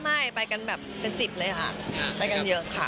ไม่ไปกันแบบเป็น๑๐เลยค่ะไปกันเยอะค่ะ